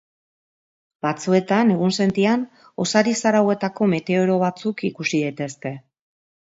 Batzuetan, egunsentian, ozar-izar hauetako meteoro batzuk ikusi daitezke.